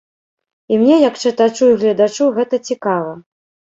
І мне як чытачу і гледачу гэта цікава.